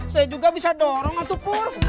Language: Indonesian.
saya juga bisa dorong untuk pur